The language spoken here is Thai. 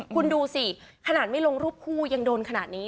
คุณดูสิขนาดไม่ลงรูปคู่ยังโดนขนาดนี้